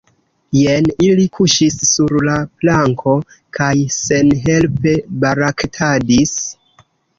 Jen ili kuŝis sur la planko kaj senhelpe baraktadis.